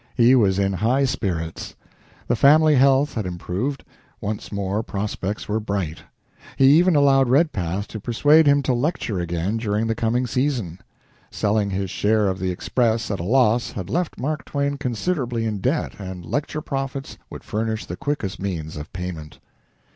He was in high spirits. The family health had improved once more prospects were bright. He even allowed Redpath to persuade him to lecture again during the coming season. Selling his share of the "Express" at a loss had left Mark Twain considerably in debt and lecture profits would furnish the quickest means of payment.